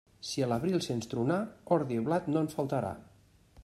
Si a l'abril sents tronar, ordi i blat no en faltarà.